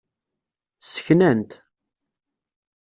Sseknan-t.